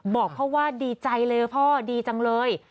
บอกพ่อว่าดีใจเลยพ่อดีจังเลย